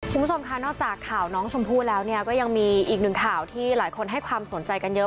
ชุมประสมณอกจากข่าวน้องชมพูแล้วเนี่ยก็ยังมีอีก๑ข่าวที่หลายคนให้ความสนใจกันเยอะ